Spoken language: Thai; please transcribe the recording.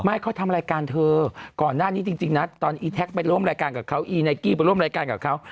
ไม่เขาทำรายการเถอะก่อนนั้นนี่จริงน่ะตอนอีแทคไปร่วมรายการกับเขา